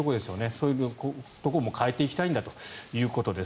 そういうところも変えていきたいというところです。